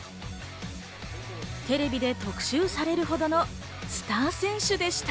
テレビで特集されるほどのスター選手でした。